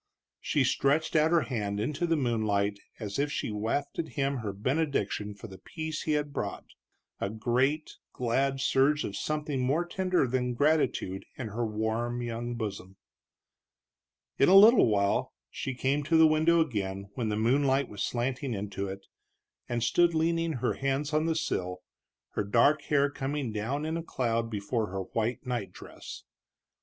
She stretched out her hand into the moonlight as if she wafted him her benediction for the peace he had brought, a great, glad surge of something more tender than gratitude in her warm young bosom. In a little while she came to the window again, when the moonlight was slanting into it, and stood leaning her hands on the sill, her dark hair coming down in a cloud over her white night dress.